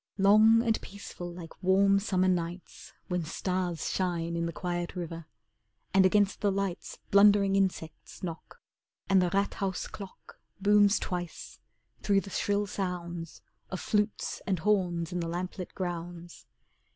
Long and peaceful like warm Summer nights When stars shine in the quiet river. And against the lights Blundering insects knock, And the 'Rathaus' clock Booms twice, through the shrill sounds Of flutes and horns in the lamplit grounds.